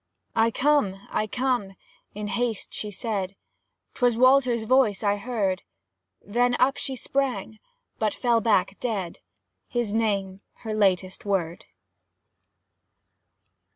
"I come! I come!" in haste she said, "'Twas Walter's voice I heard!" Then up she sprang but fell back, dead, His name her latest word.